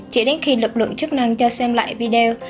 chỉ đến khi lực lượng chức năng cho xem lại video